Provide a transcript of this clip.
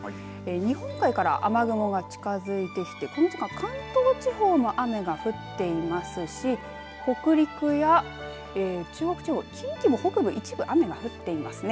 日本海から雨雲が近づいてきてこの時間関東地方も雨が降っていますし北陸や中国地方、近畿の北部も雨が降っていますね。